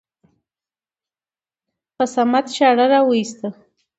په صمد چاړه راوېسته.